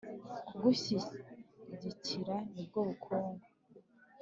Kugushyigikira nibwo bukungu